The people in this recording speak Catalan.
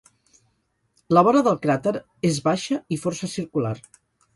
La vora del cràter és baixa i força circular.